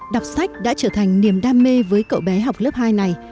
đọc sách đã trở thành niềm đam mê với cậu bé học lớp hai này